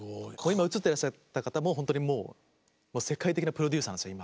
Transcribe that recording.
今映ってらっしゃった方も本当にもう世界的なプロデューサーなんですよ